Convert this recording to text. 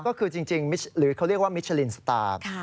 ก็คือจริงหรือเขาเรียกว่ามิชลินสตาร์